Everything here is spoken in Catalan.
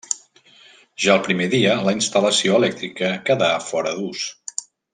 Ja al primer dia, la instal·lació elèctrica quedar fora ús.